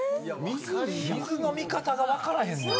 水の見方がわからへんのよ。